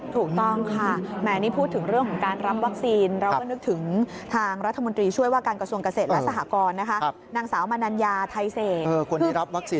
ถูกต้องค่ะแม้นี่พูดถึงเรื่องของการรับวัคซีน